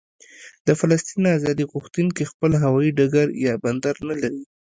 د فلسطین ازادي غوښتونکي خپل هوايي ډګر یا بندر نه لري.